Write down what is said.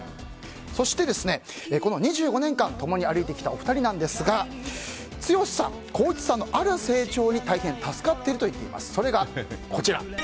そして、この２５年間共に歩いてきたお二人なんですが剛さん、光一さんのある成長に大変助かっていると言っています。